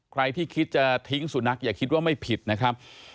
ใครที่คิดจะทิ้งสุนัขอย่าคิดว่าไม่ผิดนะครับ